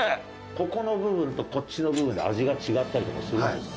ここの部分とこっちの部分で味が違ったりとかするんですか？